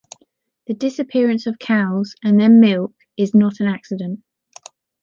The disappearance of cows, and then milk, is not an accident.